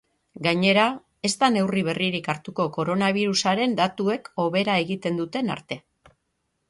Gainera, ez da neurri berririk hartuko koronabirusaren datuek hobera egiten duten arte.